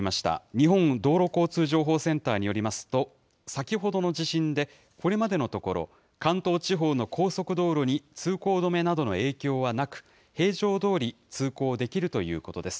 日本道路交通情報センターによりますと、先ほどの地震でこれまでのところ、関東地方の高速道路に通行止めなどの影響はなく、平常どおり通行できるということです。